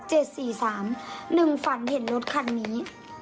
หนึ่งฝันเห็นรถคันนี้